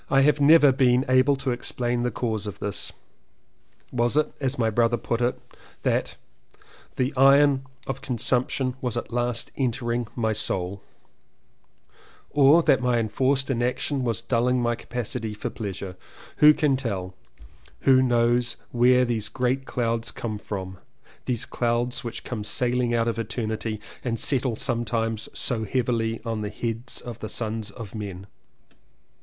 I have never quite been able to explain the cause of this. Was it as my brother put it that "the iron of consumption was at last 239 CONFESSIONS OF TWO BROTHERS entering my soul" or that my enforced in action was dulling my capacity for pleasure? Who can tell? who knows where these great clouds come from — these clouds which come sailing out of eternity and settle sometimes so heavily on the heads of the sons of men.